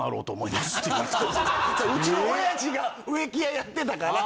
うちの親父が植木屋やってたから。